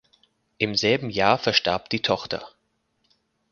Im selben Jahr verstarb die Tochter.